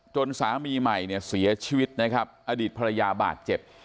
สามีใหม่เนี่ยเสียชีวิตนะครับอดีตภรรยาบาดเจ็บ